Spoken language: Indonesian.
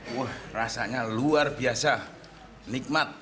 wah rasanya luar biasa nikmat